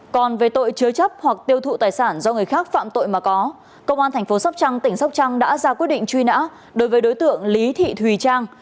còn về tội chứa chấp hoặc tiêu thụ tài sản do người khác phạm tội mà có công an thành phố sóc trăng tỉnh sóc trăng đã ra quyết định truy nã đối với đối tượng lý thị thùy trang